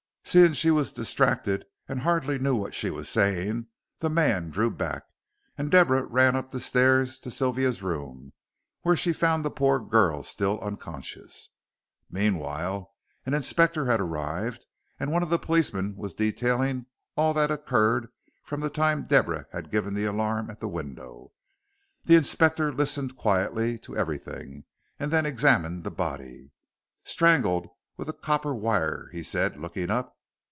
Seeing she was distracted and hardly knew what she was saying, the man drew back, and Deborah ran up the stairs to Sylvia's room, where she found the poor girl still unconscious. Meanwhile, an Inspector had arrived, and one of the policemen was detailing all that had occurred from the time Deborah had given the alarm at the window. The Inspector listened quietly to everything, and then examined the body. "Strangled with a copper wire," he said, looking up.